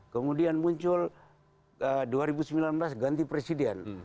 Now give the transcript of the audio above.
kemudian muncul dua ribu sembilan belas ganti presiden